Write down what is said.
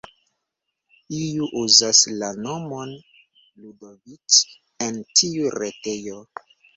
Iu uzas la nomon Ludoviĉ en tiu retejo.